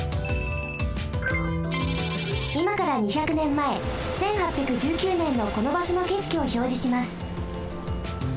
いまから２００ねんまえ１８１９ねんのこのばしょのけしきをひょうじします。